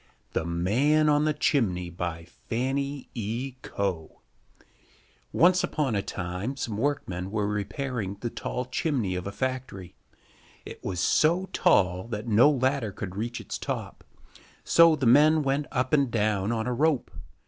The Man on the Chimney FANNY E. COE Once upon a time some workmen were repairing the tall chimney of a factory. It was so tall that no ladder could reach its top, so the men went up and down on a rope.